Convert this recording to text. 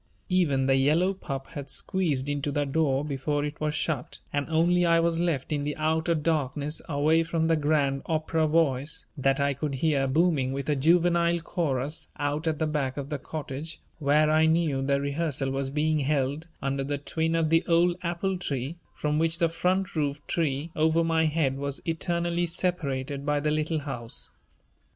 Even the yellow pup had squeezed into the door before it was shut and only I was left in the outer darkness away from the grand opera voice that I could hear booming with a juvenile chorus out at the back of the cottage where I knew the rehearsal was being held under the twin of the old apple tree from which the front roof tree over my head was eternally separated by the Little House.